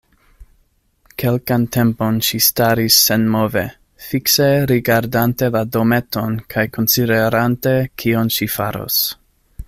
Kelkan tempon ŝi staris senmove, fikse rigardante la dometon kaj konsiderante kion ŝi faros.